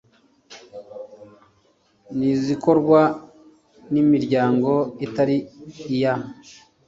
n izikorwa n imiryango itari iya